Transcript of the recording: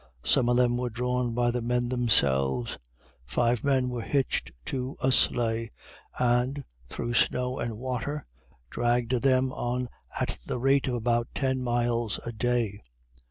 Some of them were drawn by the men themselves five men were hitched to a sleigh, and, through snow and water, dragged them on at the rate of about ten miles a day.